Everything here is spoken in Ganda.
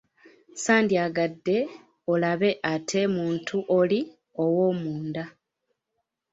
Sandiyagadde olabe ate muntu oli ow'omunda.